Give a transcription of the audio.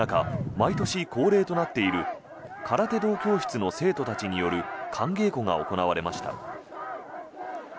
毎年恒例となっている空手道教室の生徒たちによる寒稽古が行われました。